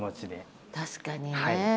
確かにね。